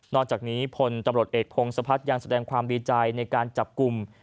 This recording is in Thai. จากนี้พลตำรวจเอกพงศพัฒน์ยังแสดงความดีใจในการจับกลุ่ม